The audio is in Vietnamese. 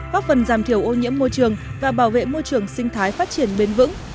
góp phần giảm thiểu ô nhiễm môi trường và bảo vệ môi trường sinh thái phát triển bền vững